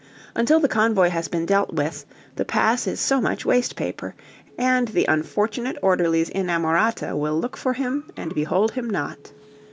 Until the convoy has been dealt with, the pass is so much waste paper, and the unfortunate orderly's inamorata will look for him and behold him not.